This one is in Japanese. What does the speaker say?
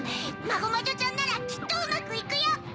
マゴマジョちゃんならきっとうまくいくよ！